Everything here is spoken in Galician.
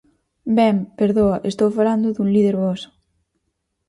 Ben, perdoa, estou falando dun líder voso.